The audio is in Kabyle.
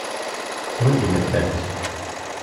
Swingmet-as.